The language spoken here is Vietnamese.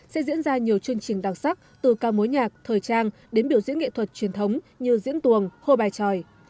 sẽ diễn ra nhiều chương trình đặc sắc từ ca mối nhạc thời trang đến biểu diễn nghệ thuật truyền thống như diễn tuồng hồ bài tròi